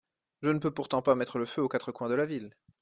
Je ne peux pourtant pas mettre le feu aux quatre coins de la ville…